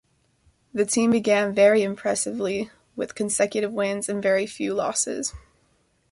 The team began very impressively, with consecutive wins and very few losses.